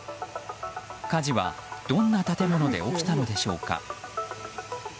火事は、どんな建物で起きたのでしょうか。